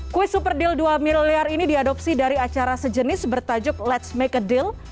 kuis super deal dua miliar ini diadopsi dari acara sejenis bertajuk ⁇ lets ⁇ make a deal